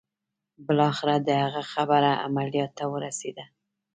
بالاخره د هغه خبره عمليات ته ورسېده.